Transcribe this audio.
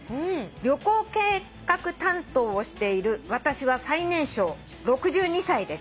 「旅行計画担当をしている私は最年少６２歳です」